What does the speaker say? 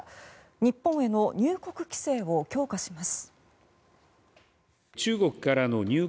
日本への入国規制を強化します。